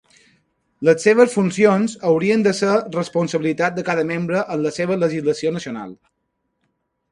Les seves funcions haurien de ser responsabilitat de cada membre en la seva legislació nacional.